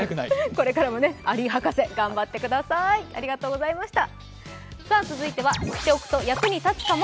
これからもアリ博士、頑張ってください、ありがとうございました。